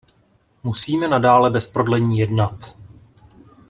Musíme nadále bez prodlení jednat.